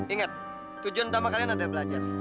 ingat tujuan utama kalian adalah belajar